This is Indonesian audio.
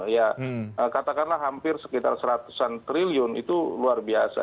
ya katakanlah hampir sekitar seratusan triliun itu luar biasa